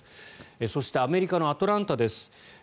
そしてアメリカのアトランタです。